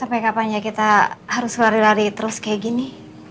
sampai kapan ya kita harus lari lari terus kayak gini